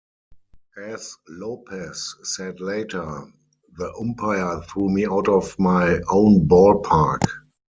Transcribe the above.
As Lopez said later, The umpire threw me out of my own ballpark!